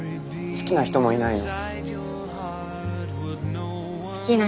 好きな人もいないの。